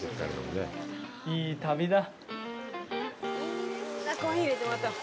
いい旅だ。